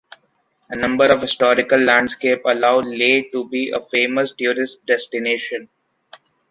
A number of historical landscape allow Ley to be a famous tourist destination